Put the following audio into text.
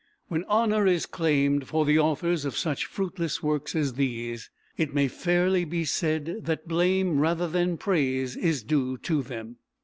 When honour is claimed for the authors of such fruitless works as these, it may fairly be said that blame rather than praise is due to them.